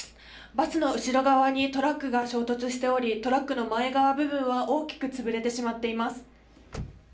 バスの後ろ側にトラックが衝突しておりトラックの前側部分は大きくつぶれてしまっています。